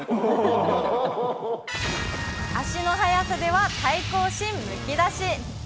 足の速さでは対抗心むき出し。